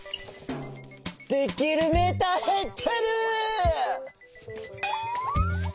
できるメーターへってる！